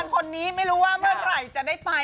คนนี้ไม่รู้ว่าเมื่อไหร่จะได้ไป